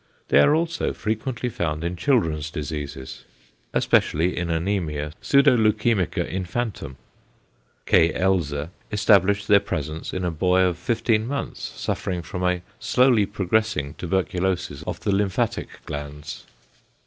They are also frequently found in children's diseases, especially in anæmia pseudoleukæmica infantum. K. Elze established their presence in a boy of 15 months, suffering from a slowly progressing tuberculosis of the lymphatic glands.